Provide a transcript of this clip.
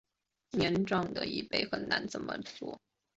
年长的一辈很难这么做